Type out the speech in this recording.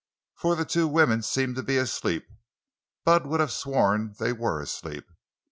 For the two women seemed to be asleep. Bud would have sworn they were asleep!